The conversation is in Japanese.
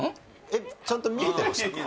えっちゃんと見えてましたか？